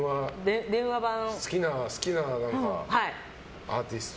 好きなアーティスト。